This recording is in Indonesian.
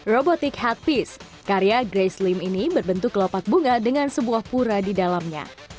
robotik hat piece karya grace lim ini berbentuk kelopak bunga dengan sebuah pura di dalamnya